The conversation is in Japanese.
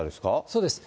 そうです。